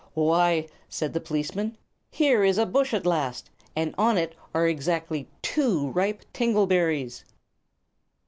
"Why," said the policeman, "here is a bush at last, and on it are exactly two ripe tingle berries!"